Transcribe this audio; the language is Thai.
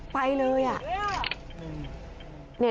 ไปเลย